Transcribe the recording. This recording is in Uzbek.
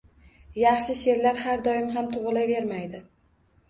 Yaxshi she`rlar har doim ham tug`ilavermaydi